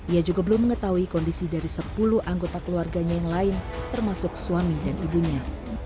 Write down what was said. ia juga belum mengetahui kondisi dari sepuluh anggota keluarganya yang lain termasuk suami dan ibunya